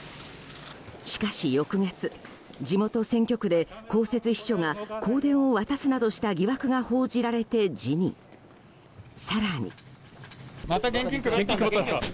しかし、翌月地元選挙区で公設秘書が香典を渡すなどした疑惑が報じられて辞任。